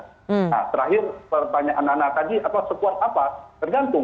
nah terakhir pertanyaan nana tadi apa sekuat apa tergantung